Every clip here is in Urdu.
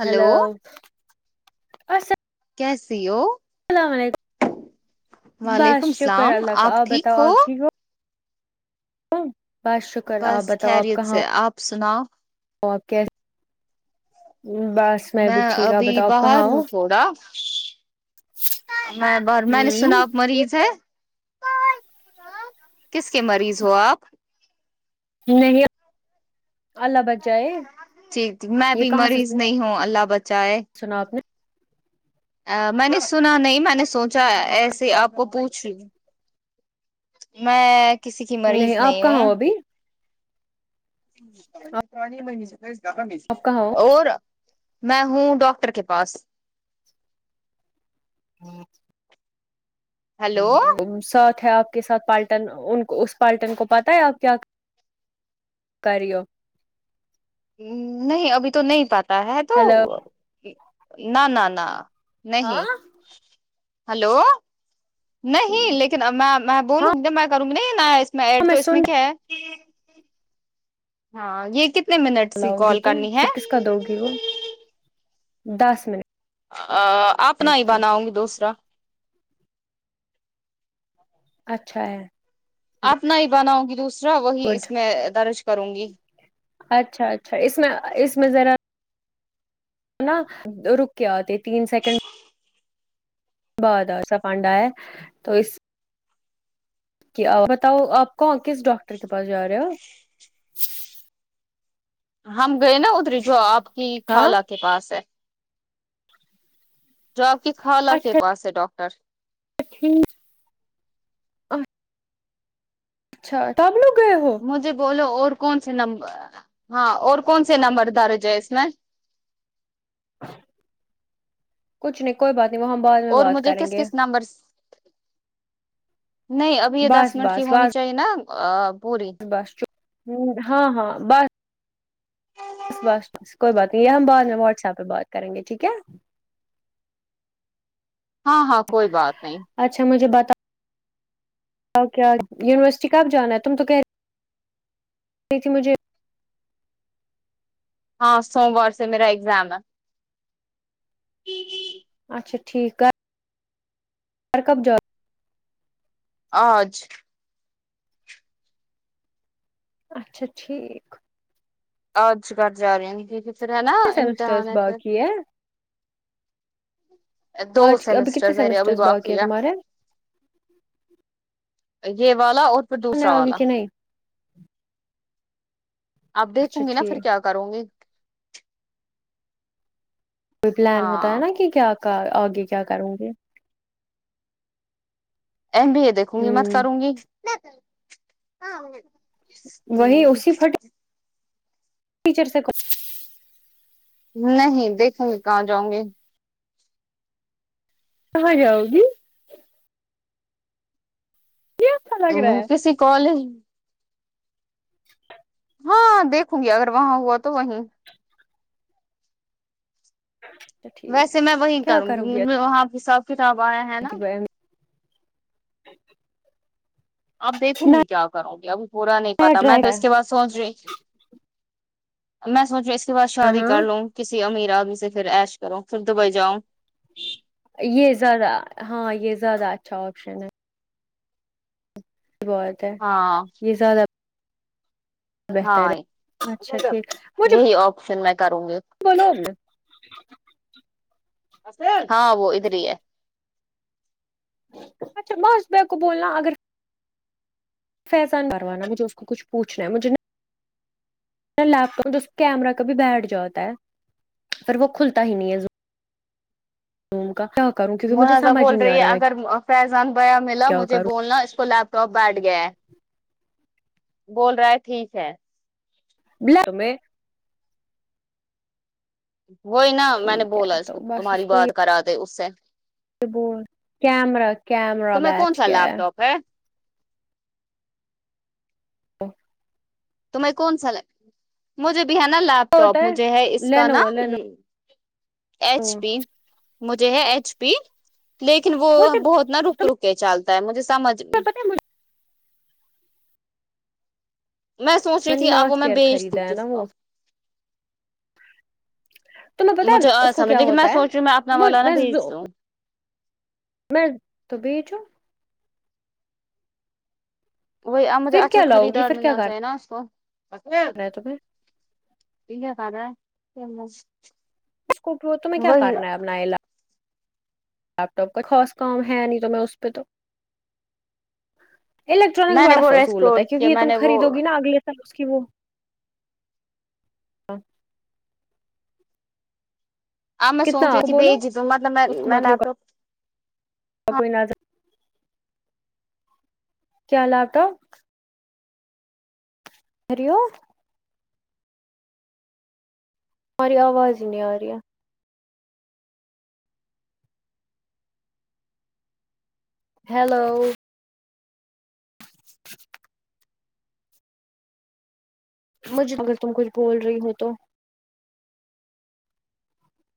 ہلو ہیلو اسلا کیسی ہو وعلیکم بس شکر السلام اللہ کا آپ ٹھیک بتاؤ ہو آپ ٹھیک بس شکر آپ بس خیریت سے ہے آپ سناؤ تو آپ کہ بس میں بھی ٹھیک آپ بتاؤ آپ کہاں ہو اڈا میں بر میں نے ہ سنا اب مریض ہے کس کی مریض ہو آپ نہیں اللہ بچائے ٹھیک میں یہ بھی کہاں سے مریض نہیں ہوں اللہ بچائے سنا آپ نے میں نے سنا نہیں میں نے سوچا ایسے آپ کو پوچھ لوں میں کسی کی مریض آپ نہیں کہاں ہو ہوں ابھی آپ کہاں ہو اور میں ہوں ڈاکٹر کے پاس ہوں ہیلو ہوں لیکن ساتھ ہے آپ کے ساتھ پالٹن ان کو اس پالٹن کو پتا ہے آپ کیا کر رہی ہو نہیں ابھی تو نہیں پتہ ہے تو ہیلو نہ نہ نہ ہاں نہیں ہلو نہیں ٹھیک. لیکن اب میں میں ہاں بولوں گی میں کروں گی نیا اس میں ایڈ تو اس میں کیا ہے ہاں یہ کتنے منٹ سے لاؤ گی کال تم کرنی ہے [unintelligible] دس منٹ ا ا اب نہی کی بناؤ گی دوسرا اچھا ہے اپنا ہی بناؤں گی دوسرا وہی گڈ اس میں درج کروں گی اچھا اچھا اس میں اس میں ذرا نہ رکے اتی تین سیکنڈ بڑا سا پانڈا ہے تو اس کیا بتاؤ آپ کوں کس ڈاکٹر کے پاس جا رہے اپ ہم گئے نا ادری جو آپ کی ہاں خالہ کے پاس ہے جو آپ کی خالہ کے اچھا پاس ہے ڈاکٹر [unintelligible] اچھا تب لوگ گئے ہو مجھے بولو اور کون سے نمبر ہاں اور کون سے نمبر درج ہیں اس میں کچھ نہیں کوئی بات نہیں وہ ہم بعد میں بات کریں گے نمبرز نہیں ابھی یہ دس بس منٹ کی بس ہونی بس چاہیے نا پوری بس چپ ہاں ہاں بس بس کوئی بات نہیں یہ ہم بعد میں واٹس ایپ پہ بات کریں گے ٹھیک ہے ہاں ہاں کوئی بات نہیں اچھا مجھے بتا اور کیا یونیورسٹی کب جانا ہے تم تو کہہ رہی تھی مجھے ہاں سوموار سے میرا ایگزام ہے اچھا ٹھیک آپ باہر کب آج اچھا ٹھیک آج کر جا رہی ہیں کیونکہ پھر ہے نا کتنے سیمسٹرس امتحان ہے پھر باقی ہے دو آج ابھی سیمسٹر کتنے میرے ابھی سیمسٹرس باقی ہے تمہارے یہ والا اور پھر دوسرا اگے والا کہ نہیں آپ اچھا دیکھوں گی نا پھر ٹھیک کیا کروں گی کوئی پلان ہوتا ہے ہاں نا کہ کیا آگے کیا کروں گی ایم بی اے دیکھوں گی مت ہوں کروں گی وہی اسی پھٹ [unintelligible] ٹیچر سے کچ نہیں دیکھوں گے کہاں جاؤں گے کہا جاؤ گی یہ اچھا ا لگ رہا ہے کسی کالج ہاں دیکھوں گی اگر وہاں ہوا تو وہیں اچھا ٹھیک ویسے میں وہی کیا کروں گی کرو مج وہاں حساب کتاب آیا ہے نا آب دیکھو گی کیا کرو گی ابھی پورا نہیں نیا پتا میں ٹرائی تو اس کے ہاں بعس سوچ رہی میں سوچ رہی اس کے بعد شادی کر ہاں لوں کسی امیر آدمی سے پھر ایش کرو پھر دبئی جاؤں یہ زیادہ ہاں یہ زیادہ اچھا آپشن ہے بہت ہے ہاں یہ زیادہ بہتر ہے ہاں اچھا ٹھیک مجھے یہی آپشن میں کروں گی [unintelligible] عقیل ہاں وہ ادھر ہی ہے اچھا میں اس ب کو بولنا اگر فیضان پروانہ مجھے اس کو کچھ پوچھنا ہے مجھے نہ لیپ ٹاپ کیمرہ کبھی بیٹھ جاتا ہے پھر وہ کھلتا ہی نہیں ہے ان کا کیا کروں کیونکہ مجھے منازا سمجھ بول ہی نہیں رہی آ ہے رہا میں اگر فیضان بھیا ملا کیا مجھے بولنا اس کو لپ ٹوپ بیٹھ گیا بول رہا ہے ٹھیک ہے لا بے [unintelligible] وہی نا میں نے ٹھیک بولا ہے اس تو کو تمہاری بات کرا دے اس سے وہ کیمرہ کیمرہ بیٹھ کے میں [unintelligible] تمہیں کون سا لگ مجھے بھی نا لاپ ٹاپ مجھے ہے اس کا لینوو نام لینوو ایچ پی مجھے ہے ایچ پی لیکن وہ بہت نا رک رک کے چلتا ہے مجھے سمجھ تو پتہ مج میں سوچ رہی نے تھی اب وہ لاسٹ میں ایئر بیج دو خریدا ہے کس نا کہ وہ تمہیں پتا ہے مجھے اور اس کو سمجھ کیا لیکن ہوتا میں ہے سوچ رہیوں میں اپنا والا نا بھیج لوں میں تو بیچو وہی اب مجھے پھر اچھا کیا لاؤ گی خریدار پھر کیا ملنا چاہیے کرنا نا اس کو ہے تمہیں یہ کیا کر رہا ہے [unintelligible] کٹھو تمہیں کیا وہی نا کرنا ہے اب نلا لیپ ٹاپ کا خاص کام ہے نہیں تو میں اس پہ تو الیکٹرانکس میں نے بڑا وہ فضول ہوتا ریسٹور ہے کیونکہ کیا یہ میں تم نے وہ خریدو گی نا اگلے سال اس کی وہ اب میں کتنا سوچی کہ بولو بیج دوں مطلب میں میں لپ ٹاپ اور کوئی نظ کیا لاپ ٹاپ ہری و ہماری آواز ہی نہیں آرہی ہے ہیلو مجھ اگر تم کچھ بول رہی ہو تو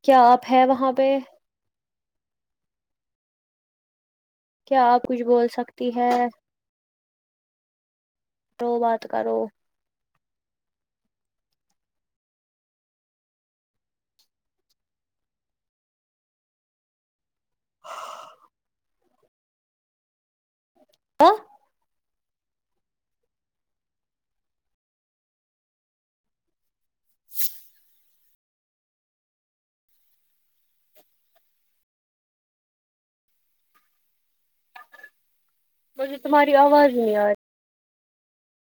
کیا آپ ہیں وہاں پہ کیا آپ کچھ بول سکتی ہے تو بات کرو آ مجھے تمہاری آواز ہی نہیں آ رہی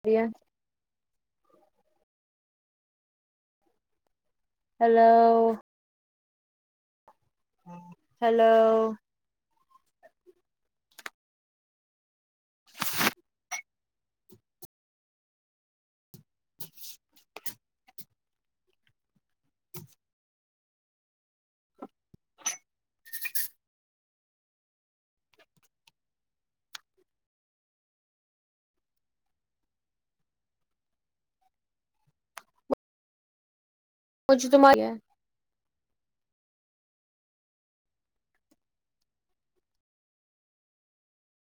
دیا ہیلو ہیلو مجھ تماری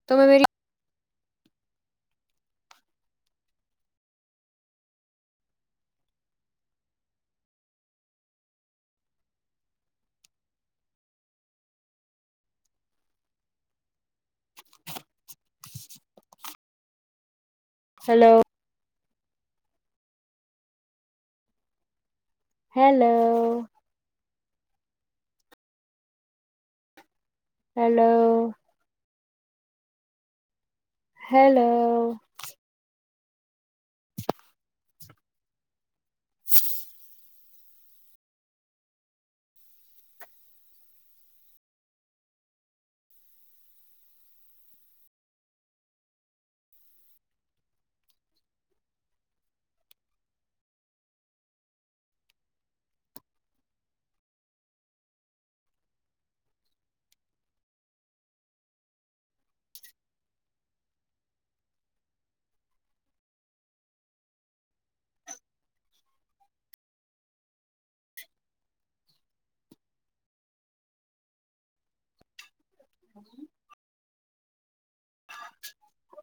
تمہیں میری ہیلو ہیلو ہیلو ہیلو [unintelligible]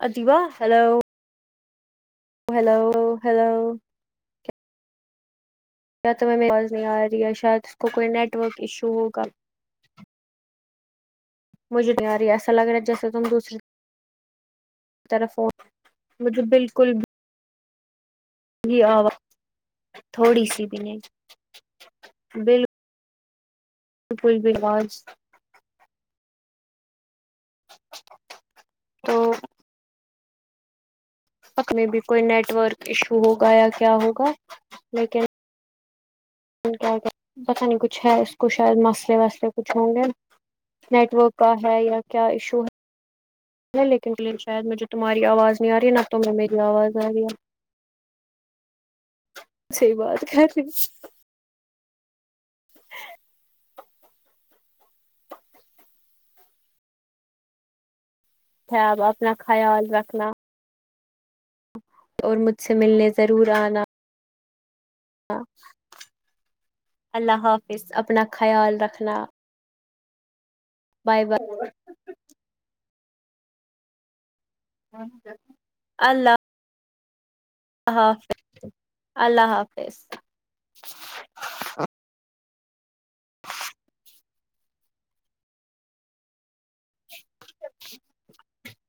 ادیبہ ہیلو ہیلو ہیلو کیا تمہیں میری آواز نہیں آ رہی ہے شاید اس کوئی نیٹ ورک ایشو ہوگا مجھے نہیں اری ہے ایسا لگ رہا جسے تم دوسریے طرف ہو مجھے بالکل میری آواز تھوڑی سی بھی نہیں بال لکل بھی اواز تو تک میں بھی کوئی نیٹ ورک ایشو ہوگا یا کیا ہوگا لیکن کیا کہ پتا نہیں کچھ ہے اس کو شاید مسئلے وسلے کچھ ہوں گے نیٹ ورک کا ہے یا کیا ایشو ہے نہیں لکین کلین شاید مجھے تمہاری آواز نہیں آ رہی نہ تمہیں میری آواز آ رہی ہے صحیح بات کری ہ تو آپ اپنا خیال رکھنا اور مجھ سے ملنے ضرور آنا اللہ حافظ اپنا خیال رکھنا بائے بائے اللہ اللہ حافظ اللہ حافظ [inaudible]